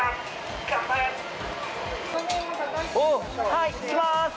はい、行きます。